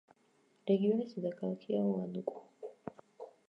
რეგიონის დედაქალაქია უანუკო.